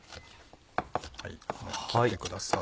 切ってください